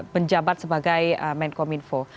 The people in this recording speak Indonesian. penjabat sebagai menkominfo